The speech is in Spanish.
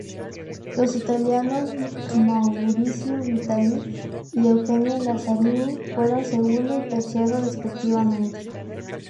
Los italianos Maurizio Vitali y Eugenio Lazzarini fueron segundo y tercero respectivamente.